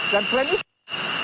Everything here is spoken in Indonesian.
dan selain itu